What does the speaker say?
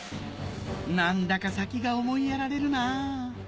何だか先が思いやられるな